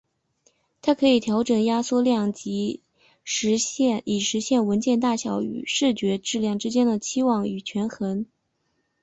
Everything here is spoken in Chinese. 它可以调整压缩量级以实现文件大小与视觉质量之间的期望与权衡。